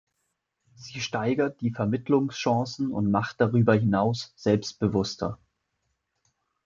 Sie steigert die Vermittlungschancen und macht darüber hinaus selbstbewusster.